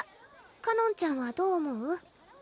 かのんちゃんはどう思う？